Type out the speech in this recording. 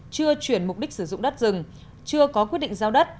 chưa chuyển mục đích sử dụng đất rừng chưa có quyết định giao đất